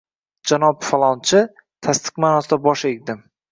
— Janob falonchi? Tasdiq ma’nosida bosh egdim.